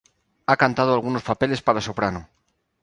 Ha cantado algunos papeles para soprano.